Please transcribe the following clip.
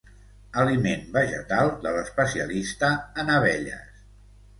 Aliment vegetal de l'especialista en abelles.